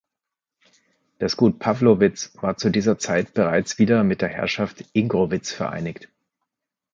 Das Gut Pawlowitz war zu dieser Zeit bereits wieder mit der Herrschaft Ingrowitz vereinigt.